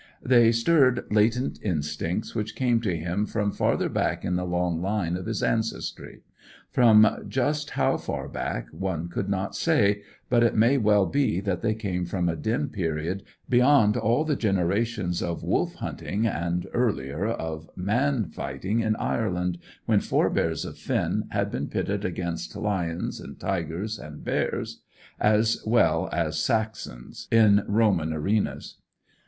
They stirred latent instincts which came to him from farther back in the long line of his ancestry; from just how far back one could not say, but it may well be that they came from a dim period, beyond all the generations of wolf hunting and, earlier, of man fighting in Ireland, when forbears of Finn's had been pitted against lions and tigers and bears, as well as Saxons, in Roman arenas.